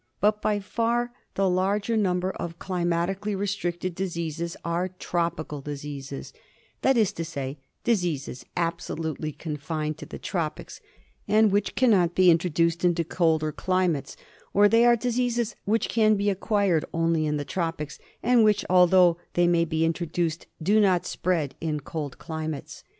But by far the larger number of climatically restricted diseases are tropical diseases — that is to say, diseases absolutely confined to the tropics, and which cannot be introduced into colder climates ; or they are diseases which can be acquired only in the tropics, and which, although they may be introduced, do not spread in cold climates. OF TROPICAL DISEASES.